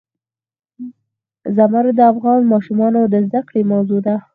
زمرد د افغان ماشومانو د زده کړې موضوع ده.